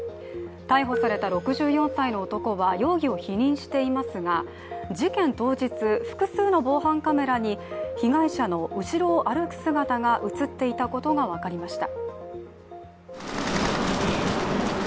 逮捕された６４歳の男は容疑を否認していますが事件当日、複数の防犯カメラに被害者の後ろを歩く姿が映っていたことが分かりました。